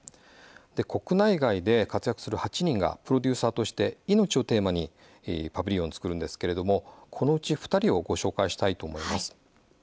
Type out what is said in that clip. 国内外で活躍する８人がプロデューサーとして命をテーマにパビリオンを作るんですけれどもこのうち２人をご紹介したいと思います。